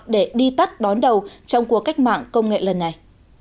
để đi tắt đón đầu trong cuộc cách mạng công nghệ lần này